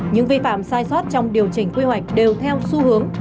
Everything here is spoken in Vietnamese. những vi phạm sai sót trong điều chỉnh quy hoạch đều theo xu hướng